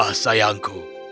minta hadiah sayangku